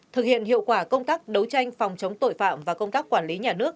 thực hiện hiệu quả công tác đấu tranh phòng chống tội phạm và công tác quản lý nhà nước